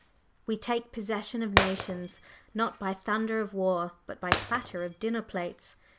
We take possession of nations, not by thunder of war, but by clatter of dinner plates.